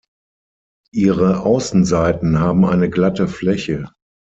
Ihre Außenseiten haben eine glatte Fläche.